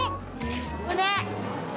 これ！